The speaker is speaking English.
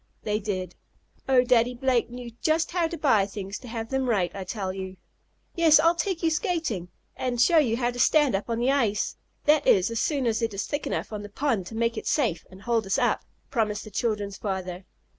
They did. Oh! Daddy Blake knew just how to buy things to have them right, I tell you. "Yes, I'll take you skating, and show you how to stand up on the ice that is as soon as it is thick enough on the pond to make it safe, and hold us up," promised the children's father.